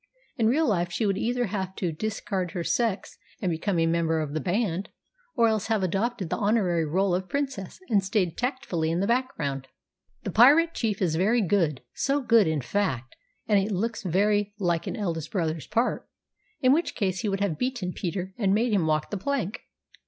In real life she would either have had to discard her sex and become a member of the band, or else have adopted the honorary role of princess and stayed tactfully in the background. The Pirate Chief is very good so good, in fact, that it looks very like an eldest brother's part, in which case he would have beaten Peter and made him walk the plank.